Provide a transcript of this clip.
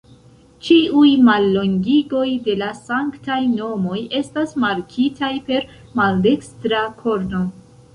Ĉiuj mallongigoj de la Sanktaj Nomoj estas markitaj per maldekstra korno.